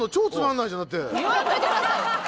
言わんといてくださいよ！